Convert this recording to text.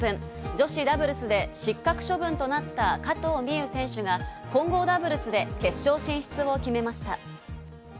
女子ダブルスで失格処分となった加藤未唯選手が混合ダブルスで決勝進出を決めました。